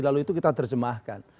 lalu itu kita terjemahkan